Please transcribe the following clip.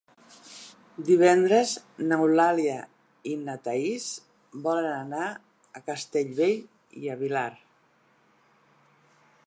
Divendres n'Eulàlia i na Thaís volen anar a Castellbell i el Vilar.